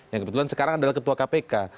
yang kebetulan sekarang adalah ketua kpk